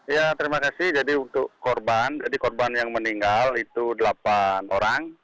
ya terima kasih jadi untuk korban jadi korban yang meninggal itu delapan orang